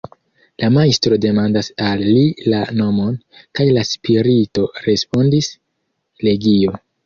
La Majstro demandas al li la nomon, kaj la spirito respondis: "legio".